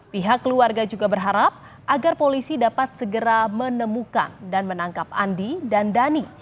pihak keluarga juga berharap agar polisi dapat segera menemukan dan menangkap andi dan dhani